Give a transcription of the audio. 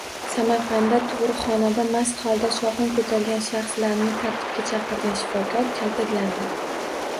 Samarqandda tug‘uruqxonada mast holda shovqin ko‘targan shaxslarni tartibga chaqirgan shifokor kaltaklandi